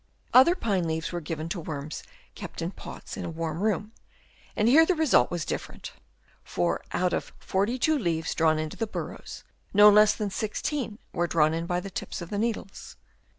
Other pine leaves were given to worms kept in pots in a warm room, and here the result was different ; for out of 42 leaves drawn into the burrows, no less than 16 were drawn in by the tips of the needles.